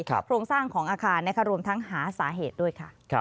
โครงสร้างของอาคารรวมทั้งหาสาเหตุด้วยค่ะ